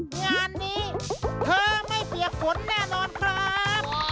งานนี้เธอไม่เปียกฝนแน่นอนครับ